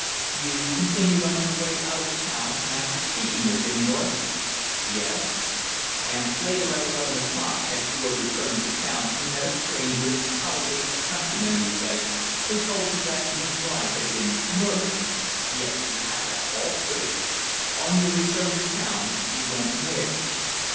"You continued on your way out of town after speaking with him, North?" "Yes." "And later, at eleven o'clock, as you were returning to town you met a stranger, probably a countryman, you say, who told you that McBride had been murdered?" "Yes, you have that all straight." "On your return to town you went where?"